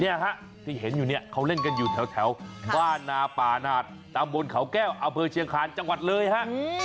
เนี่ยฮะที่เห็นอยู่เนี่ยเขาเล่นกันอยู่แถวบ้านนาป่าหนาดตำบลเขาแก้วอำเภอเชียงคาญจังหวัดเลยฮะ